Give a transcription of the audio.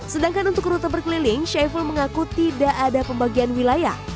sedangkan untuk rute berkeliling syaiful mengaku tidak ada pembagian wilayah